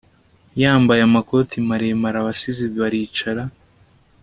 Yambaye amakoti maremare Abasizi baricara